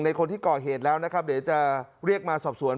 คนที่ก่อเหตุแล้วนะครับเดี๋ยวจะเรียกมาสอบสวน